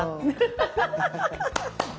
アハハハハ。